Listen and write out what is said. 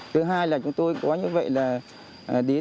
thứ hai là chúng tôi có như vậy là đến